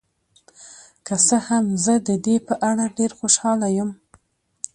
که څه هم، زه د دې په اړه ډیر خوشحاله یم.